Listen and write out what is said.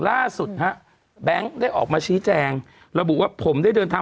ล่าสุดฮะแบงค์ได้ออกมาชี้แจงระบุว่าผมได้เดินทาง